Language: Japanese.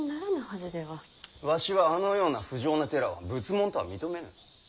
わしはあのような不浄な寺を仏門とは認めぬ。